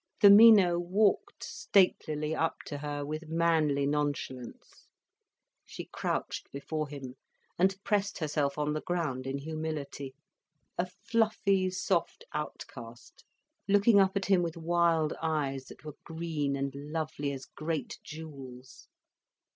The Mino walked statelily up to her, with manly nonchalance. She crouched before him and pressed herself on the ground in humility, a fluffy soft outcast, looking up at him with wild eyes that were green and lovely as great jewels.